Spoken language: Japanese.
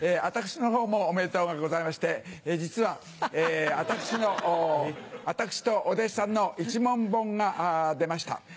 私のほうもおめでとうがございまして実は私とお弟子さんの『一門本』が出ました。